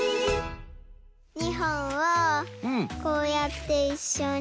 ２ほんをこうやっていっしょに。